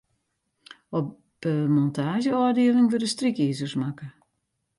Op de montaazjeôfdieling wurde strykizers makke.